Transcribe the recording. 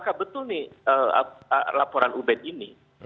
lalu saya akan mencoba